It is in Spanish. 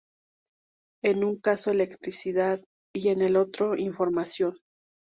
En un caso electricidad y en el otro información.